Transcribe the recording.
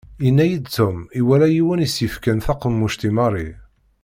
Yenna-yi-d Tom iwala yiwen i s-yefkan taqemmuct i Mary.